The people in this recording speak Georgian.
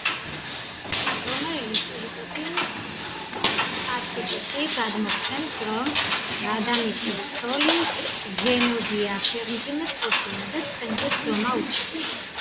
რომაელი ისტორიკოსი ტაციტუსი გადმოგვცემს, რომ რადამისტის ცოლი ზენობია ფეხმძიმედ ყოფილა და ცხენზე ჯდომა უჭირდა.